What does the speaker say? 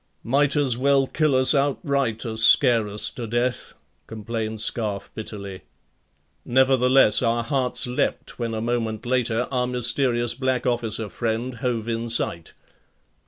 "Might as well kill us outright as scare us to death," complained Scarfe bitterly. Nevertheless our hearts leaped when a moment later our mysterious black officer friend hove in sight.